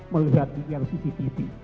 melihat di pr cctv